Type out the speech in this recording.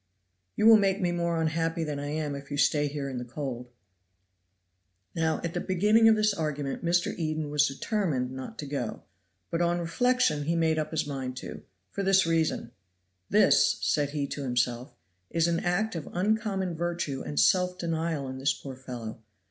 "You will make me more unhappy than I am, if you stay here in the cold." Now, at the beginning of this argument Mr. Eden was determined not to go; but on reflection he made up his mind to, for this reason: "This," said he to himself, "is an act of uncommon virtue and self denial in this poor fellow.